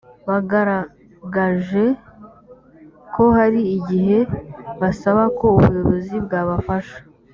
bagaragaje ko hari igihe basaba ko ubuyobozi bwabafasha